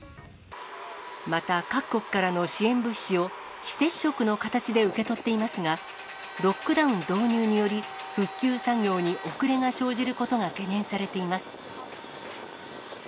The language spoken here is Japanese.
また各国からの支援物資を非接触の形で受け取っていますが、ロックダウン導入により、復旧作業に遅れが生じることが懸念されています。